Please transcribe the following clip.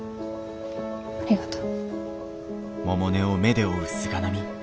ありがとう。